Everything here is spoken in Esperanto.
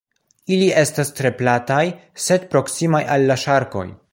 Ili estas tre plataj sed proksimaj al la ŝarkoj.